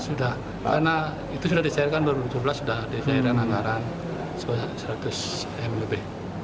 sudah karena itu sudah disahirkan dua ribu tujuh belas sudah disahirkan anggaran rp seratus miliar